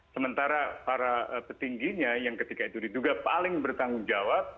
sementara para petingginya yang ketika itu diduga paling bertanggung jawab